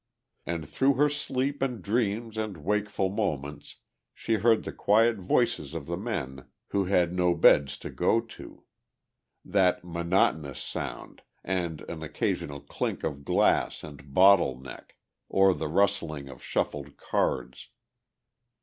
And through her sleep and dreams and wakeful moments she heard the quiet voices of the men who had no beds to go to; that monotonous sound and an occasional clink of glass and bottle neck or the rustling of shuffled cards.